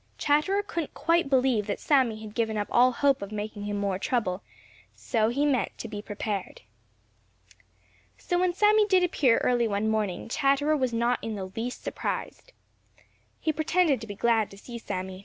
Chatterer couldn't quite believe that Sammy had given up all hope of making him more trouble, so he meant to be prepared. So when Sammy did appear early one morning, Chatterer was not in the least surprised. He pretended to be glad to see Sammy.